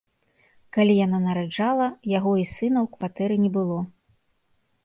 Калі яна нараджала, яго і сына ў кватэры не было.